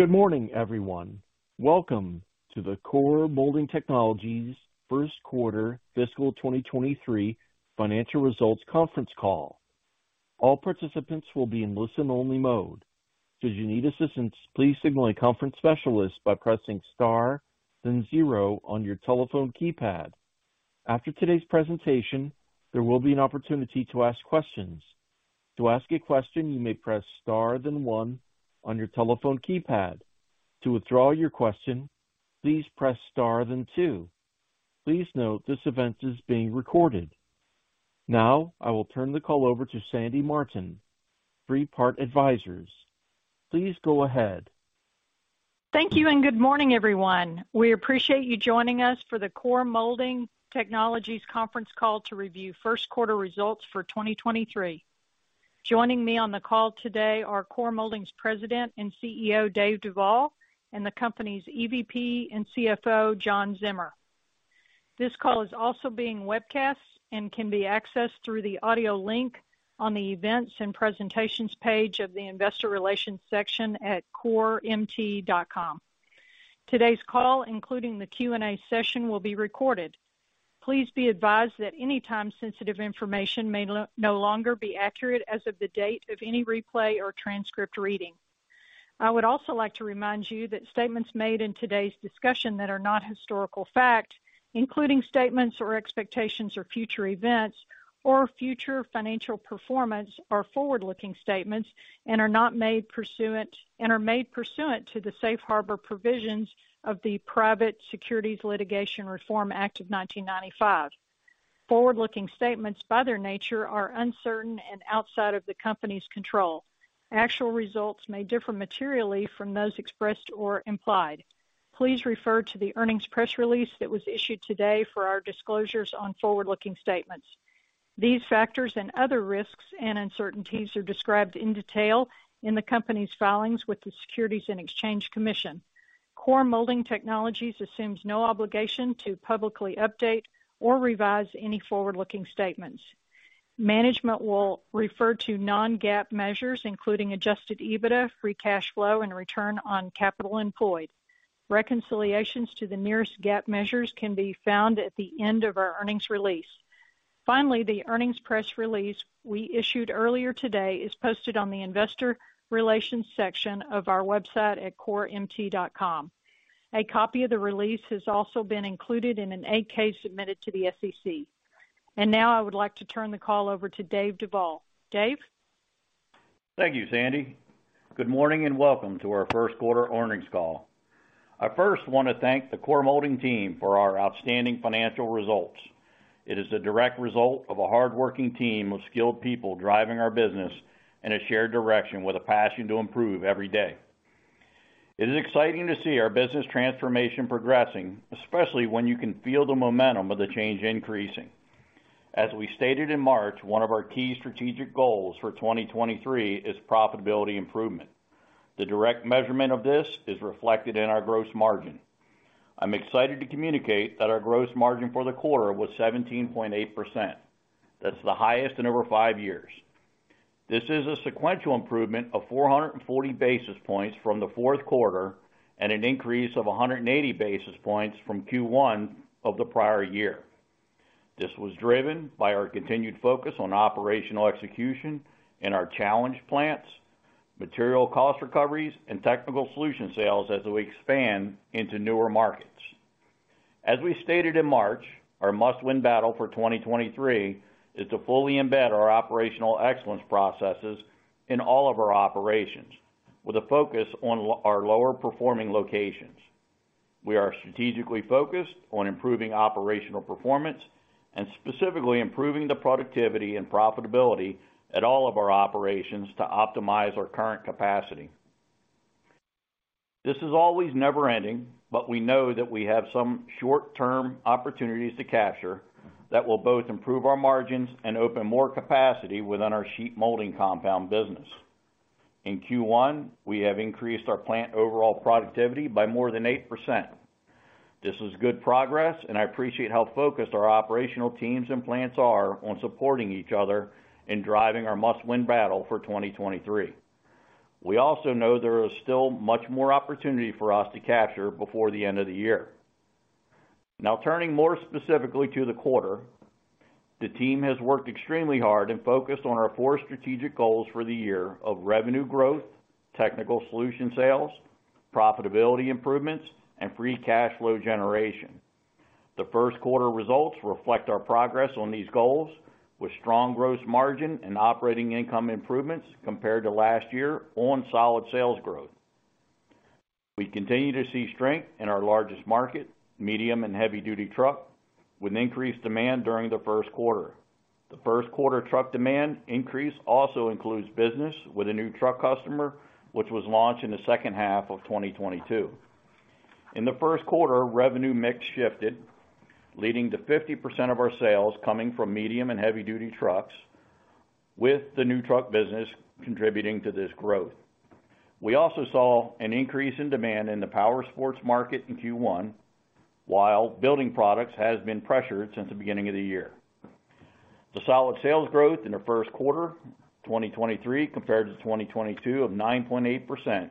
Good morning, everyone. Welcome to the Core Molding Technologies first quarter fiscal 2023 financial results conference call. All participants will be in listen-only mode. Should you need assistance, please signal a conference specialist by pressing Star, then zero on your telephone keypad. After today's presentation, there will be an opportunity to ask questions. To ask a question, you may press Star, then one on your telephone keypad. To withdraw your question, please press Star, then two. Please note this event is being recorded. Now, I will turn the call over to Sandy Martin, Three Part Advisors. Please go ahead. Thank you. Good morning, everyone. We appreciate you joining us for the Core Molding Technologies conference call to review first quarter results for 2023. Joining me on the call today are Core Molding's President and CEO, Dave Duvall, and the company's EVP and CFO, John Zimmer. This call is also being webcast and can be accessed through the audio link on the Events and Presentations page of the investor relations section at coremt.com. Today's call, including the Q&A session, will be recorded. Please be advised that any time-sensitive information may no longer be accurate as of the date of any replay or transcript reading. I would also like to remind you that statements made in today's discussion that are not historical fact, including statements or expectations or future events or future financial performance, are forward-looking statements and are made pursuant to the safe harbor provisions of the Private Securities Litigation Reform Act of 1995. Forward-looking statements by their nature are uncertain and outside of the company's control. Actual results may differ materially from those expressed or implied. Please refer to the earnings press release that was issued today for our disclosures on forward-looking statements. These factors and other risks and uncertainties are described in detail in the company's filings with the Securities and Exchange Commission. Core Molding Technologies assumes no obligation to publicly update or revise any forward-looking statements. Management will refer to non-GAAP measures, including Adjusted EBITDA, free cash flow, and return on capital employed. Reconciliations to the nearest GAAP measures can be found at the end of our earnings release. Finally, the earnings press release we issued earlier today is posted on the investor relations section of our website at coremt.com. A copy of the release has also been included in an 8-K submitted to the SEC. Now I would like to turn the call over to Dave Duvall. Dave? Thank you, Sandy. Good morning and welcome to our first quarter earnings call. I first wanna thank the Core Molding team for our outstanding financial results. It is a direct result of a hardworking team of skilled people driving our business in a shared direction with a passion to improve every day. It is exciting to see our business transformation progressing, especially when you can feel the momentum of the change increasing. As we stated in March, one of our key strategic goals for 2023 is profitability improvement. The direct measurement of this is reflected in our gross margin. I'm excited to communicate that our gross margin for the quarter was 17.8%. That's the highest in over five years. This is a sequential improvement of 440 basis points from the fourth quarter, and an increase of 180 basis points from Q1 of the prior year. This was driven by our continued focus on operational execution in our challenged plants, material cost recoveries, and technical solution sales as we expand into newer markets. As we stated in March, our must-win battle for 2023 is to fully embed our operational excellence processes in all of our operations, with a focus on our lower performing locations. We are strategically focused on improving operational performance and specifically improving the productivity and profitability at all of our operations to optimize our current capacity. This is always never ending, but we know that we have some short-term opportunities to capture that will both improve our margins and open more capacity within our sheet molding compound business. In Q1, we have increased our plant overall productivity by more than 8%. This is good progress, and I appreciate how focused our operational teams and plants are on supporting each other in driving our must-win battle for 2023. We also know there is still much more opportunity for us to capture before the end of the year. Now turning more specifically to the quarter. The team has worked extremely hard and focused on our four strategic goals for the year of revenue growth, technical solution sales, profitability improvements, and free cash flow generation. The first quarter results reflect our progress on these goals with strong gross margin and operating income improvements compared to last year on solid sales growth. We continue to see strength in our largest market, medium and heavy-duty truck, with increased demand during the first quarter. The first quarter truck demand increase also includes business with a new truck customer, which was launched in the second half of 2022. In the first quarter, revenue mix shifted, leading to 50% of our sales coming from medium and heavy-duty trucks, with the new truck business contributing to this growth. We also saw an increase in demand in the powersports market in Q1, while building products has been pressured since the beginning of the year. The solid sales growth in the first quarter, 2023 compared to 2022 of 9.8%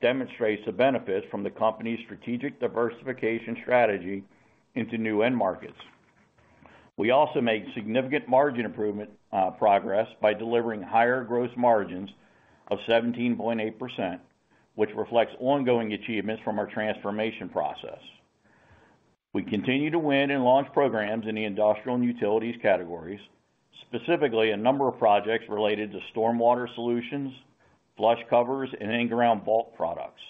demonstrates the benefits from the company's strategic diversification strategy into new end markets. We also made significant margin improvement progress by delivering higher gross margins of 17.8%, which reflects ongoing achievements from our transformation process. We continue to win and launch programs in the industrial and utilities categories, specifically a number of projects related to stormwater solutions, flush covers, and in-ground vault products,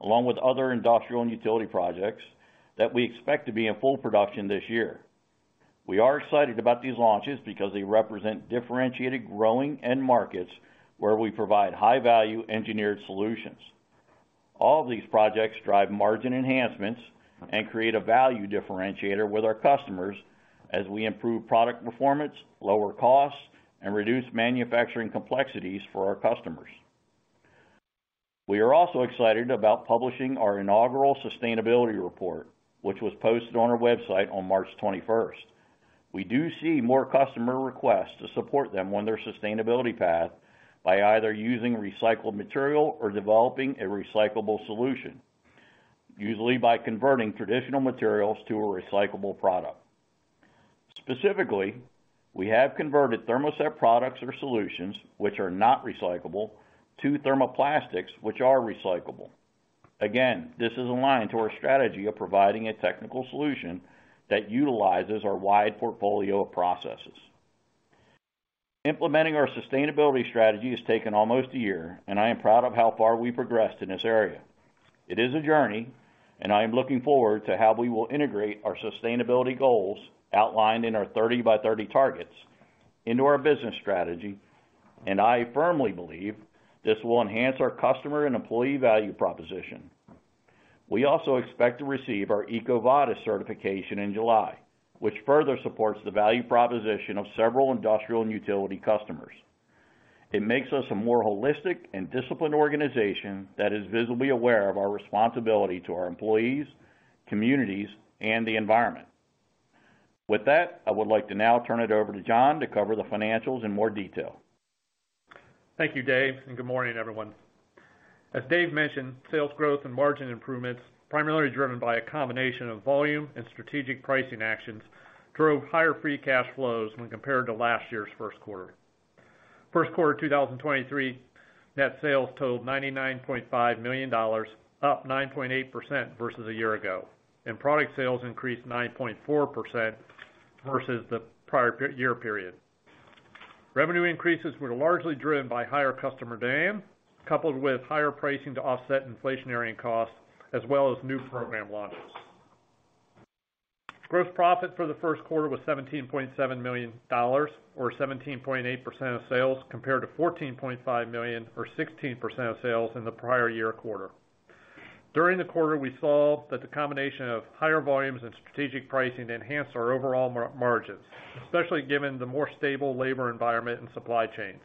along with other industrial and utility projects that we expect to be in full production this year. We are excited about these launches because they represent differentiated, growing end markets where we provide high-value engineered solutions. All these projects drive margin enhancements and create a value differentiator with our customers as we improve product performance, lower costs, and reduce manufacturing complexities for our customers. We are also excited about publishing our inaugural sustainability report, which was posted on our website on March twenty-first. We do see more customer requests to support them on their sustainability path by either using recycled material or developing a recyclable solution, usually by converting traditional materials to a recyclable product. Specifically, we have converted thermoset products or solutions which are not recyclable to thermoplastics, which are recyclable. This is aligned to our strategy of providing a technical solution that utilizes our wide portfolio of processes. Implementing our sustainability strategy has taken almost a year, and I am proud of how far we've progressed in this area. It is a journey, and I am looking forward to how we will integrate our sustainability goals outlined in our 30 X 30 targets into our business strategy, and I firmly believe this will enhance our customer and employee value proposition. We also expect to receive our EcoVadis certification in July, which further supports the value proposition of several industrial and utility customers. It makes us a more holistic and disciplined organization that is visibly aware of our responsibility to our employees, communities, and the environment. With that, I would like to now turn it over to John to cover the financials in more detail. Thank you, Dave. Good morning, everyone. As Dave mentioned, sales growth and margin improvements, primarily driven by a combination of volume and strategic pricing actions, drove higher free cash flows when compared to last year's first quarter. First quarter 2023 net sales totaled $99.5 million, up 9.8% versus a year ago. Product sales increased 9.4% versus the prior year period. Revenue increases were largely driven by higher customer demand, coupled with higher pricing to offset inflationary costs as well as new program launches. Gross profit for the first quarter was $17.7 million, or 17.8% of sales, compared to $14.5 million, or 16% of sales in the prior year quarter. During the quarter, we saw that the combination of higher volumes and strategic pricing enhanced our overall margins, especially given the more stable labor environment and supply chains.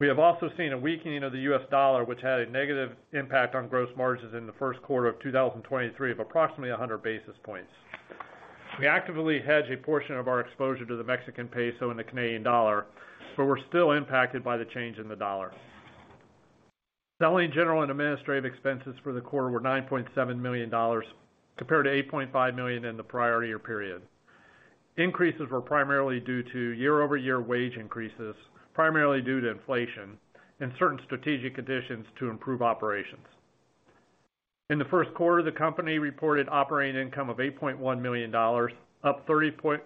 We have also seen a weakening of the U.S., dollar, which had a negative impact on gross margins in the first quarter of 2023 of approximately 100 basis points. We actively hedge a portion of our exposure to the Mexican peso and the Canadian dollar, but we're still impacted by the change in the dollar. Selling, general, and administrative expenses for the quarter were $9.7 million, compared to $8.5 million in the prior year period. Increases were primarily due to year-over-year wage increases, primarily due to inflation and certain strategic additions to improve operations. In the first quarter, the company reported operating income of $8.1 million, up 34.3%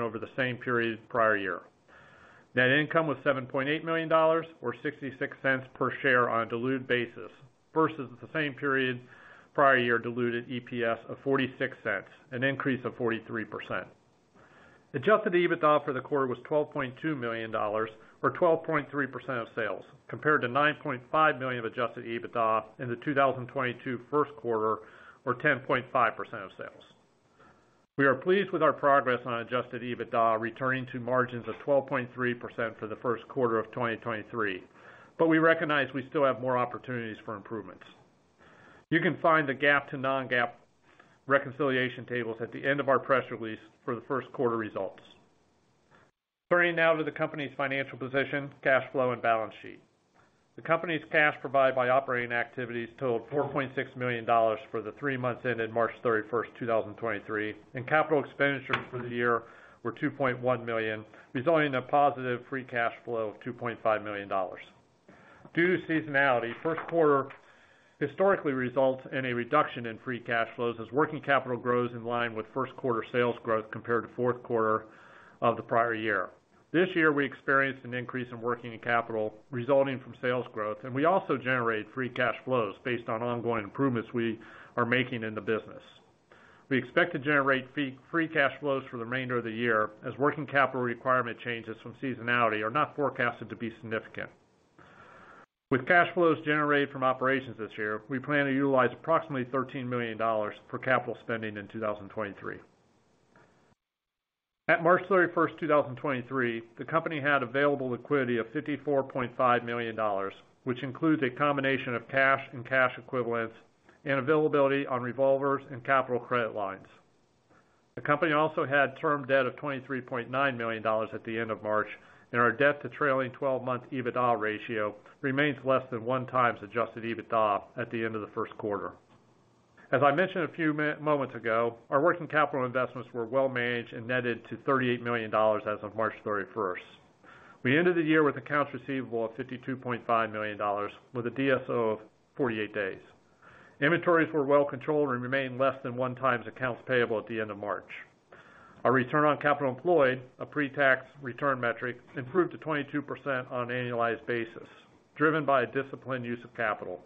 over the same period prior year. Net income was $7.8 million or $0.66 per share on a diluted basis versus the same period prior year diluted EPS of $0.46, an increase of 43%. Adjusted EBITDA for the quarter was $12.2 million or 12.3% of sales, compared to $9.5 million of Adjusted EBITDA in the 2022 first quarter or 10.5% of sales. We are pleased with our progress on Adjusted EBITDA, returning to margins of 12.3% for the first quarter of 2023, but we recognize we still have more opportunities for improvements. You can find the GAAP to non-GAAP reconciliation tables at the end of our press release for the 1st quarter results. Turning now to the company's financial position, cash flow, and balance sheet. The company's cash provided by operating activities totaled $4.6 million for the 3 months ended March 31st, 2023. Capital expenditures for the year were $2.1 million, resulting in a positive free cash flow of $2.5 million. Due to seasonality, 1st quarter historically results in a reduction in free cash flows as working capital grows in line with 1st quarter sales growth compared to 4th quarter of the prior year. This year, we experienced an increase in working capital resulting from sales growth. We also generate free cash flows based on ongoing improvements we are making in the business. We expect to generate free cash flows for the remainder of the year as working capital requirement changes from seasonality are not forecasted to be significant. With cash flows generated from operations this year, we plan to utilize approximately $13 million for capital spending in 2023. At March 31, 2023, the company had available liquidity of $54.5 million, which includes a combination of cash and cash equivalents and availability on revolvers and capital credit lines. The company also had term debt of $23.9 million at the end of March, and our debt to trailing twelve-month Adjusted EBITDA ratio remains less than 1 times Adjusted EBITDA at the end of the first quarter. As I mentioned a few moments ago, our working capital investments were well managed and netted to $38 million as of March 31. We ended the year with accounts receivable of $52.5 million with a DSO of 48 days. Inventories were well controlled and remained less than 1 times accounts payable at the end of March. Our return on capital employed, a pre-tax return metric, improved to 22% on an annualized basis, driven by a disciplined use of capital.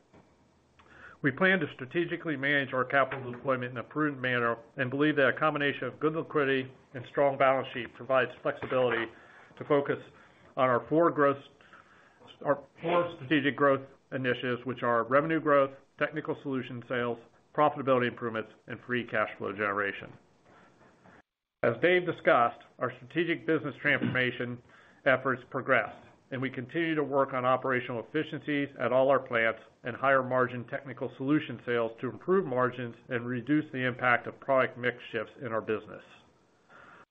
We plan to strategically manage our capital deployment in a prudent manner and believe that a combination of good liquidity and strong balance sheet provides flexibility to focus on our four strategic growth initiatives, which are revenue growth, technical solution sales, profitability improvements, and free cash flow generation. As Dave discussed, our strategic business transformation efforts progress. We continue to work on operational efficiencies at all our plants and higher margin technical solution sales to improve margins and reduce the impact of product mix shifts in our business.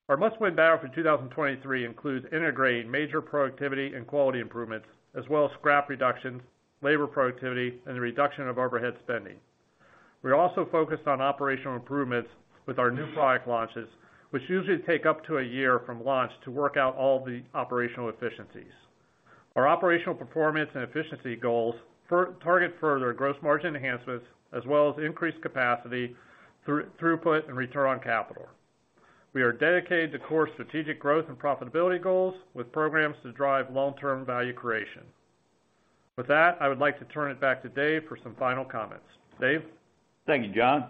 Our must-win battle for 2023 includes integrating major productivity and quality improvements, as well as scrap reductions, labor productivity, and the reduction of overhead spending. We're also focused on operational improvements with our new product launches, which usually take up to a year from launch to work out all the operational efficiencies. Our operational performance and efficiency goals target further gross margin enhancements as well as increased capacity, throughput, and return on capital. We are dedicated to core strategic growth and profitability goals with programs to drive long-term value creation. With that, I would like to turn it back to Dave for some final comments. Dave? Thank you, John.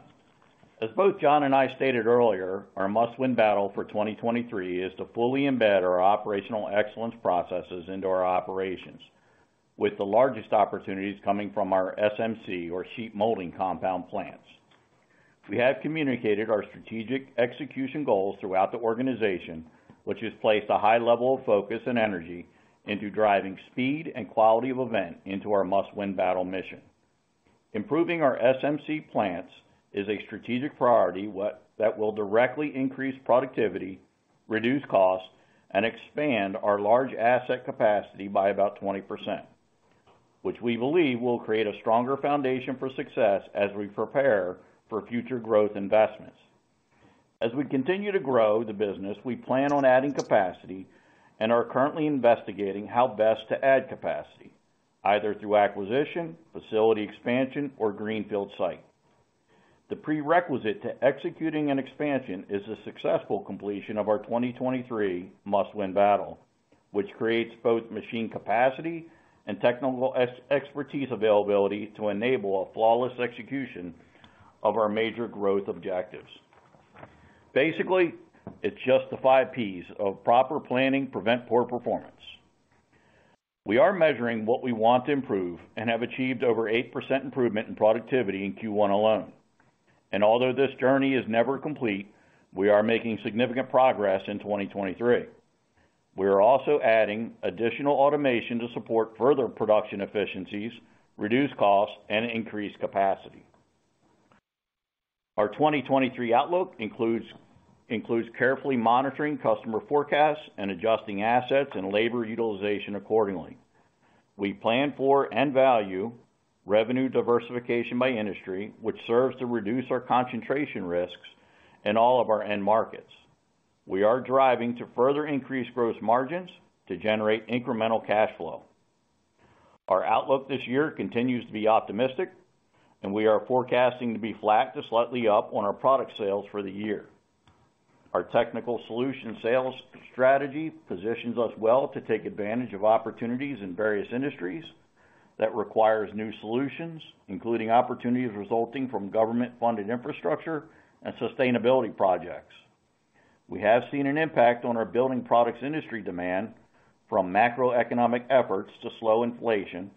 As both John and I stated earlier, our must-win battle for 2023 is to fully embed our operational excellence processes into our operations, with the largest opportunities coming from our SMC or sheet molding compound plants. We have communicated our strategic execution goals throughout the organization, which has placed a high level of focus and energy into driving speed and quality of event into our must-win battle mission. Improving our SMC plants is a strategic priority that will directly increase productivity, reduce costs, and expand our large asset capacity by about 20%, which we believe will create a stronger foundation for success as we prepare for future growth investments. As we continue to grow the business, we plan on adding capacity and are currently investigating how best to add capacity, either through acquisition, facility expansion, or greenfield site. The prerequisite to executing an expansion is the successful completion of our 2023 must-win battle, which creates both machine capacity and technical expertise availability to enable a flawless execution of our major growth objectives. Basically, it's just the five Ps of proper planning prevent poor performance. We are measuring what we want to improve and have achieved over 8% improvement in productivity in Q1 alone. Although this journey is never complete, we are making significant progress in 2023. We are also adding additional automation to support further production efficiencies, reduce costs, and increase capacity. Our 2023 outlook includes carefully monitoring customer forecasts and adjusting assets and labor utilization accordingly. We plan for and value revenue diversification by industry, which serves to reduce our concentration risks in all of our end markets. We are driving to further increase gross margins to generate incremental cash flow. Our outlook this year continues to be optimistic, and we are forecasting to be flat to slightly up on our product sales for the year. Our technical solution sales strategy positions us well to take advantage of opportunities in various industries that requires new solutions, including opportunities resulting from government-funded infrastructure and sustainability projects. We have seen an impact on our building products industry demand from macroeconomic efforts to slow inflation,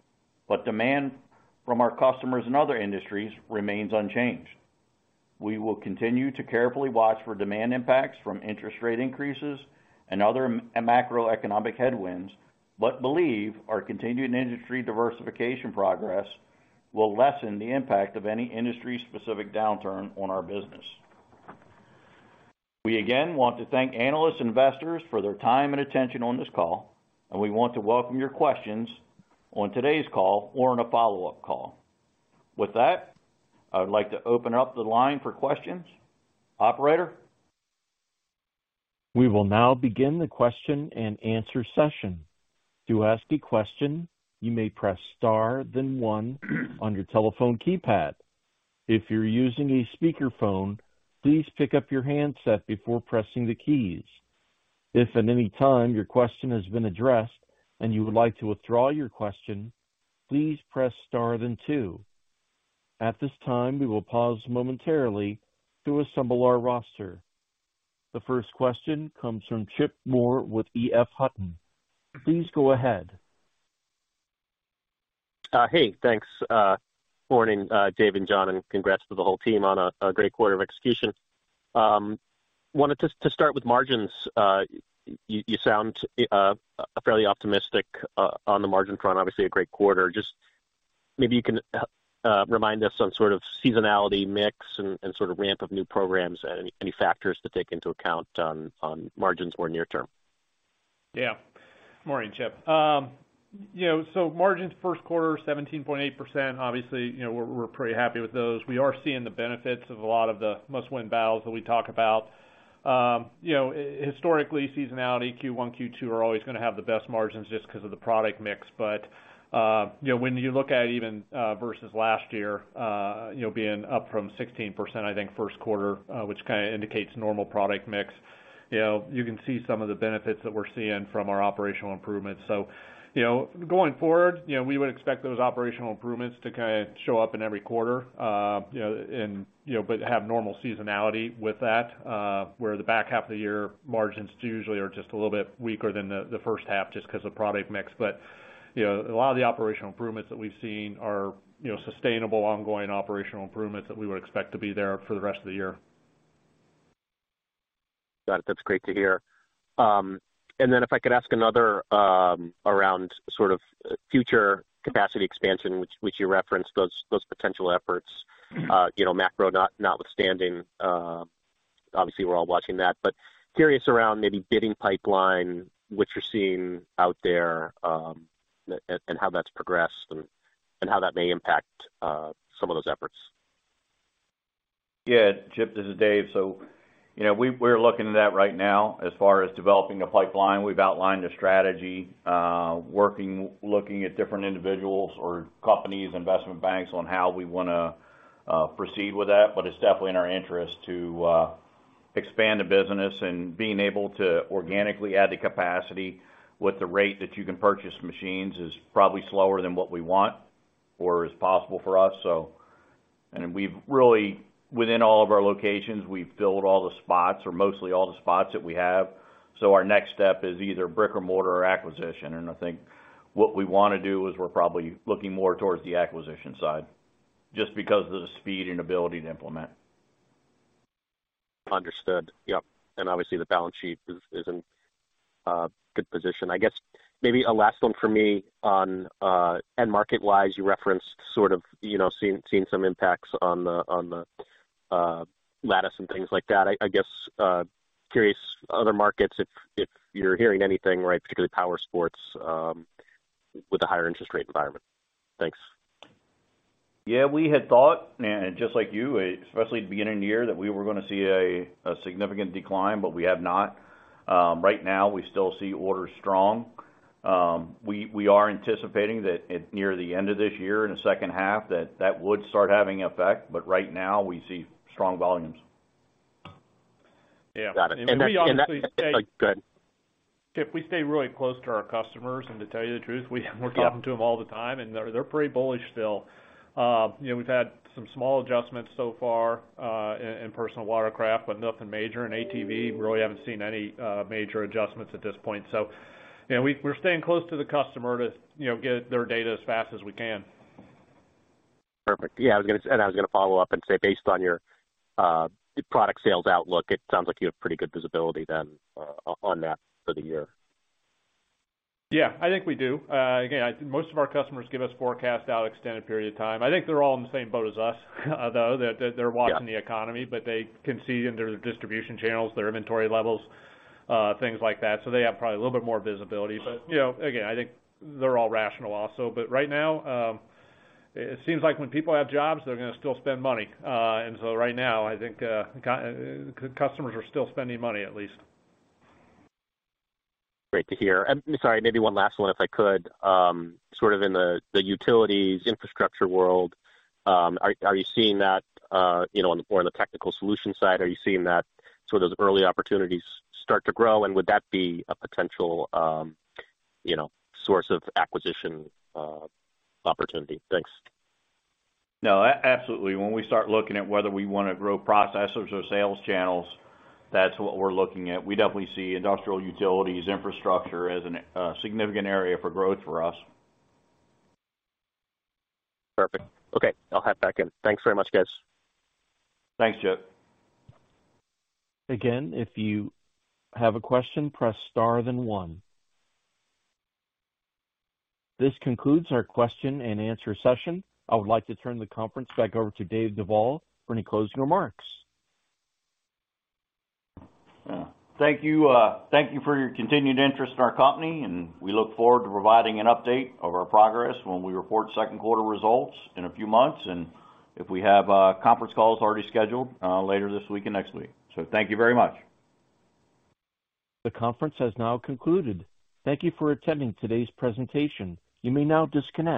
but demand from our customers in other industries remains unchanged. We will continue to carefully watch for demand impacts from interest rate increases and other macroeconomic headwinds, but believe our continued industry diversification progress will lessen the impact of any industry-specific downturn on our business. We again want to thank analysts and investors for their time and attention on this call, and we want to welcome your questions on today's call or on a follow-up call. I would like to open up the line for questions. Operator? We will now begin the question and answer session. To ask a question, you may press star then 1 on your telephone keypad. If you're using a speakerphone, please pick up your handset before pressing the keys. If at any time your question has been addressed and you would like to withdraw your question, please press star then 2. At this time, we will pause momentarily to assemble our roster. The first question comes from Tim Moore with EF Hutton. Please go ahead. Hey, thanks. Morning, Dave and John. Congrats to the whole team on a great quarter of execution. Wanted to start with margins. You sound fairly optimistic on the margin front. Obviously a great quarter. JustMaybe you can remind us on sort of seasonality mix and sort of ramp of new programs and any factors to take into account on margins or near term? Morning, Chip. you know, margins first quarter 17.8%. Obviously, you know, we're pretty happy with those. We are seeing the benefits of a lot of the must-win battles that we talk about. you know, historically, seasonality Q1, Q2 are always gonna have the best margins just 'cause of the product mix. you know, when you look at even versus last year, you know, being up from 16%, I think first quarter, which kinda indicates normal product mix, you know, you can see some of the benefits that we're seeing from our operational improvements. You know, going forward, you know, we would expect those operational improvements to kinda show up in every quarter, you know, and, you know, but have normal seasonality with that, where the back half of the year margins usually are just a little bit weaker than the first half just 'cause of product mix. You know, a lot of the operational improvements that we've seen are, you know, sustainable, ongoing operational improvements that we would expect to be there for the rest of the year. Got it. That's great to hear. Then if I could ask another, around sort of future capacity expansion, which you referenced those potential efforts. Mm-hmm. You know, macro not-notwithstanding, obviously we're all watching that, but curious around maybe bidding pipeline, what you're seeing out there, and how that's progressed and how that may impact some of those efforts. Yeah. Chip, this is Dave. You know, we're looking at that right now as far as developing a pipeline. We've outlined a strategy, working, looking at different individuals or companies, investment banks on how we wanna proceed with that. It's definitely in our interest to expand the business and being able to organically add the capacity with the rate that you can purchase machines is probably slower than what we want or is possible for us. We've really, within all of our locations, we've filled all the spots or mostly all the spots that we have, so our next step is either brick-and-mortar or acquisition. I think what we wanna do is we're probably looking more towards the acquisition side just because of the speed and ability to implement. Understood. Yep. Obviously, the balance sheet is in good position. I guess maybe a last one for me on end market-wise, you referenced sort of, you know, seeing some impacts on the lattice and things like that. I guess curious other markets if you're hearing anything, right, particularly powersports, with the higher interest rate environment? Thanks. Yeah, we had thought, and just like you, especially at the beginning of the year, that we were gonna see a significant decline, but we have not. Right now, we still see orders strong. We are anticipating that at near the end of this year, in the second half, that would start having effect, but right now we see strong volumes. Yeah. Got it. we honestly Go ahead. Chip, we stay really close to our customers, and to tell you the truth, we're talking. Yeah ...to them all the time. They're pretty bullish still. You know, we've had some small adjustments so far, in personal watercraft, but nothing major. In ATV, we really haven't seen any major adjustments at this point. You know, we're staying close to the customer to, you know, get their data as fast as we can. Perfect. Yeah, I was gonna follow up and say, based on your product sales outlook, it sounds like you have pretty good visibility then on that for the year. I think we do. Again, most of our customers give us forecast out extended period of time. I think they're all in the same boat as us, though. That they're watching- Yeah ...the economy, but they can see in their distribution channels, their inventory levels, things like that. They have probably a little bit more visibility. You know, again, I think they're all rational also. Right now, it seems like when people have jobs, they're gonna still spend money. Right now, I think customers are still spending money at least. Great to hear. Sorry, maybe one last one, if I could. Sort of in the utilities infrastructure world, are you seeing that, you know, or on the technical solution side, are you seeing that sort of early opportunities start to grow? Would that be a potential, you know, source of acquisition, opportunity? Thanks. No, absolutely. When we start looking at whether we wanna grow processors or sales channels, that's what we're looking at. We definitely see industrial utilities infrastructure as a significant area for growth for us. Perfect. Okay, I'll hop back in. Thanks very much, guys. Thanks, Chip. Again, if you have a question, press star then one. This concludes our question and answer session. I would like to turn the conference back over to Dave Duvall for any closing remarks. Yeah. Thank you, thank you for your continued interest in our company, and we look forward to providing an update of our progress when we report second quarter results in a few months. Conference call is already scheduled, later this week and next week. Thank you very much. The conference has now concluded. Thank you for attending today's presentation. You may now disconnect.